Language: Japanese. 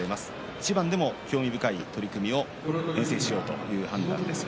一番でも興味深い取組を優先しようという判断です。